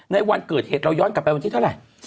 ในวันเกิดเหตุเราย้อนกลับไปวันที่เท่าไหร่